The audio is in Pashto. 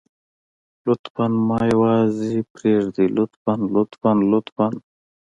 لطفاً ما يوازې پرېږدئ لطفاً لطفاً لطفاً.